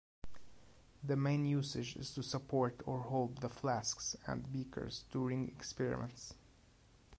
The main usage is to support or hold the flasks and beakers during experiments.